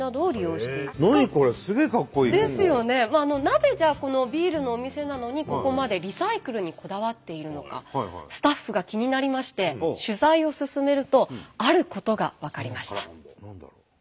なぜじゃあこのビールのお店なのにここまでスタッフが気になりまして取材を進めるとあることが分かりました。